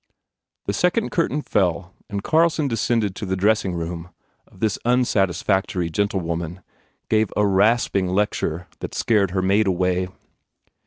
The second curtain fell and Carlson de scended to the dressing room of this unsatisfactory gentlewoman, gave a rasping lecture that scared her maid away.